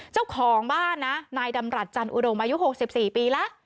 เจ้าของบ้านนะนายดำรัฐจันอุดมอายุ๖๔ปีแล้ว